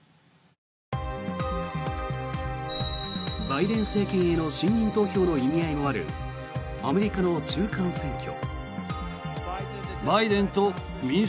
バイデン政権への信任投票の意味合いもあるアメリカの中間選挙。